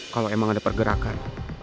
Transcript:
kalau emang ada pergerakan